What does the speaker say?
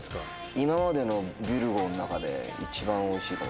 今までのビュルゴーの中で一番おいしいかも。